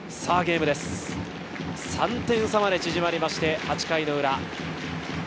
３点差まで縮まりまして、８回の裏。